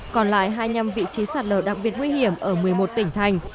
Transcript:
còn lại hai mươi năm vị trí sạt lở đặc biệt nguy hiểm ở một mươi một tỉnh thành